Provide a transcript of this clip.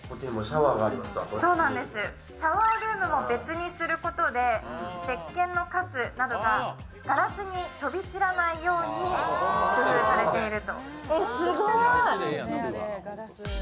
シャワールームも別にすることでせっけんのかすなどがガラスに飛び散らないようにしていると。